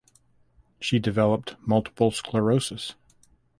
She developed multiple sclerosis.